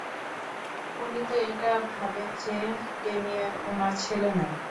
উনি তো এটাও ভাবেন যে ডেমিয়েন উনার ছেলে নয়।